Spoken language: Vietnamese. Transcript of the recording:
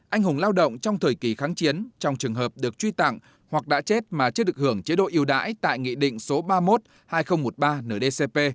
anh hùng lao động trong thời kỳ kháng chiến trong trường hợp được truy tặng hoặc đã chết mà chưa được hưởng chế độ yêu đãi tại nghị định số ba mươi một hai nghìn một mươi ba ndcp